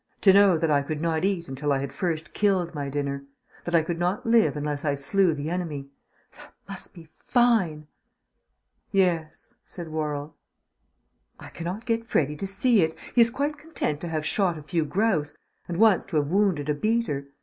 To know that I could not eat until I had first killed my dinner; that I could not live unless I slew the enemy! That must be fine!" "Yes," said Worrall. "I cannot get Freddy to see it. He is quite content to have shot a few grouse ... and once to have wounded a beater.